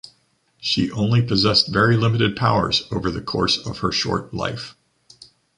She only possessed very limited powers over the course of her short life.